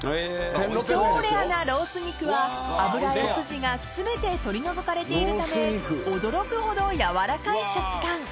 超レアなロース肉は脂や筋が全て取り除かれているため驚くほどやわらかい食感